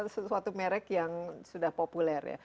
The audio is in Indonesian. sesuatu merek yang sudah populer ya